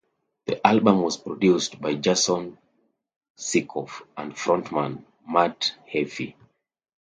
The album was produced by Jason Suecof and frontman, Matt Heafy.